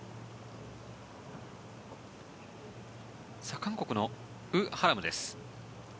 韓国のウ・ハラムです。